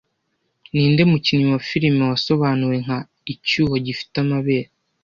Ninde mukinnyi wa firime wasobanuwe nka "Icyuho gifite amabere"